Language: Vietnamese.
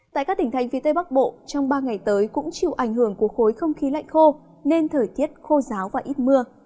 tại các tỉnh thành phía tây bắc bộ trong ba ngày tới cũng chịu ảnh hưởng của khối không khí lạnh khô nên thời tiết khô giáo và ít mưa